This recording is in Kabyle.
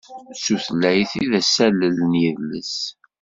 D tutlayt ay d asalel n yidles.